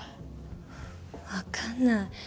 分かんない。